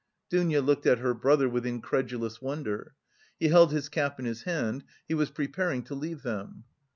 Dounia looked at her brother with incredulous wonder. He held his cap in his hand, he was preparing to leave them.